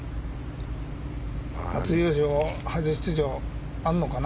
初優勝、初出場あるのかな。